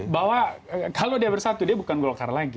bahwa kalau dia bersatu dia bukan golkar lagi